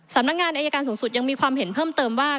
สำนักงานอายการสูงสุดยังมีความเห็นเพิ่มเติมว่า